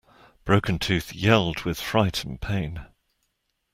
Broken-Tooth yelled with fright and pain.